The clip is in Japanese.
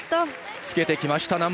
つけてきました。